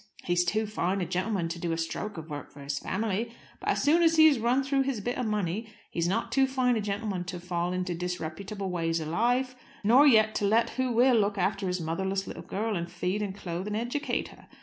He's too fine a gentleman to do a stroke of work for his family, but as soon as he has run through his bit of money he's not too fine a gentleman to fall into disreputable ways of life, nor yet to let who will look after his motherless little girl, and feed, and clothe, and educate her.